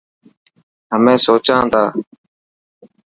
همين سوچان تا.